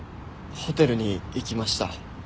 ホテルに行きました。